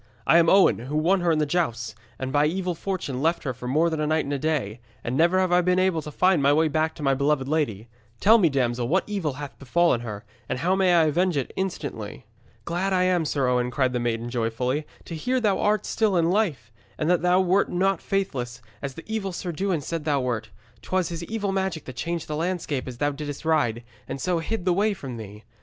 I am Owen, who won her in the jousts, and by evil fortune left her for more than a night and a day, and never have I been able to find my way back to my beloved lady. Tell me, damsel, what evil hath befallen her, and how I may avenge it instantly?' 'Glad I am, Sir Owen,' cried the maiden joyfully, 'to hear thou art still in life, and that thou wert not faithless, as the evil Sir Dewin said thou wert. 'Twas his evil magic that changed the landscape as thou didst ride, and so hid the way from thee.